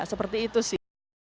seperti itu sih